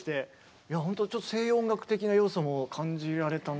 いや、ほんとちょっと西洋音楽的な要素も感じられたな。